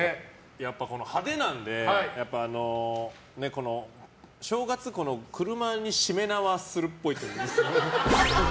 やっぱ、派手なので正月、車にしめ縄するっぽい。